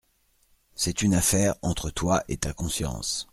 C’est une affaire entre toi et ta conscience !